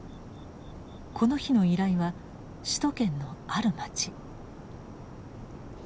この日の依頼は首都圏のある街。